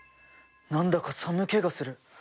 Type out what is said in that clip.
何だか寒気がする。